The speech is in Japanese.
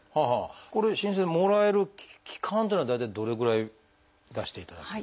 これ申請でもらえる期間っていうのは大体どれぐらい出していただける。